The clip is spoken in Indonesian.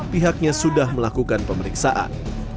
pihaknya sudah melakukan pemeriksaan